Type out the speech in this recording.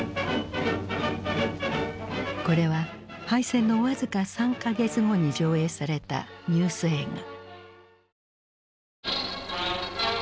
これは敗戦の僅か３か月後に上映されたニュース映画。